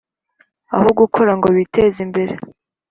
aho gukora ngo biteze imbere